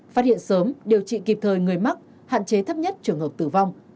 phát hiện sớm điều trị kịp thời người mắc hạn chế thấp nhất trường hợp tử vong